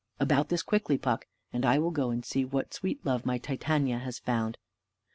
About this quickly, Puck, and I will go and see what sweet love my Titania has found."